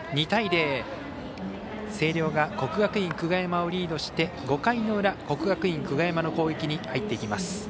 ２対０、星稜が国学院久我山をリードして５回の裏、国学院久我山の攻撃に入っていきます。